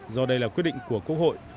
do đây là quyết định của quốc hội